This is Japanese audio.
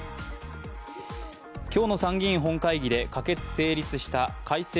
今日の参議院本会議で可決・成立した改正